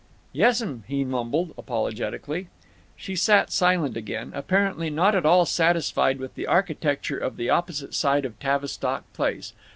"Yes'm," he mumbled, apologetically. She sat silent again, apparently not at all satisfied with the architecture of the opposite side of Tavistock Place.